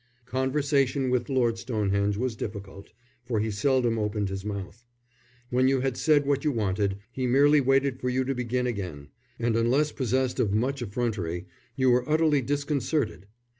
Conversation with Lord Stonehenge was difficult, for he seldom opened his mouth. When you had said what you wanted, he merely waited for you to begin again; and unless possessed of much effrontery, you were utterly disconcerted.